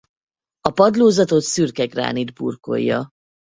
A padlózatot szürke gránit burkolja.